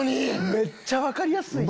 めっちゃ分かりやすいやん。